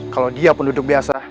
kalau dia penduduk biasa